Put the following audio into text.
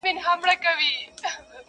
چي خبر سو جادوګرښارته راغلی،